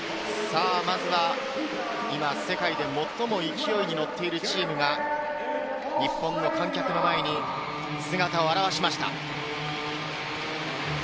世界で最も勢いに乗っているチームが日本の観客の前に姿を現しました。